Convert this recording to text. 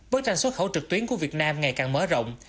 bức tranh xuất khẩu trực tuyến của việt nam ngày càng mở rộng